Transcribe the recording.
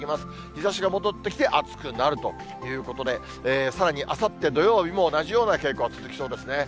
日ざしが戻ってきて暑くなるということで、さらにあさって土曜日も、同じような傾向、続きそうですね。